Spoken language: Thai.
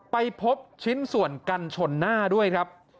ไปพบชิ้นส่วนกันชนหน้าด้วยครับ